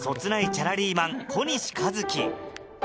チャラリーマン小西一紀